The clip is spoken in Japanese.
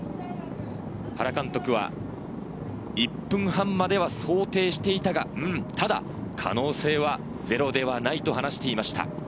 原監督は、１分半までは想定していたが、うん、ただ、可能性はゼロではないと話していました。